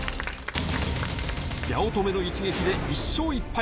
八乙女の一撃で１勝１敗。